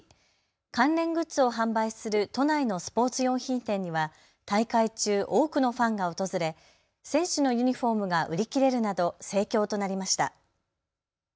関連グッズを販売する都内のスポーツ用品店には大会中、多くのファンが訪れ選手のユニフォームが売り切れるなど盛況となりました。